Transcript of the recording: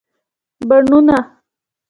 بڼونه